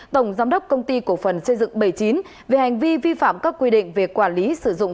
tổng giám đốc công ty cổ phần xây dựng bảy mươi chín về hành vi vi phạm các quy định về quản lý sử dụng